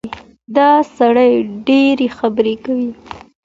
دا سړی ډېرې خبرې کوي.